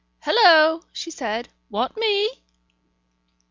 "Hullo!" she said. "Want me?"